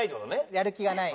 やる気がない。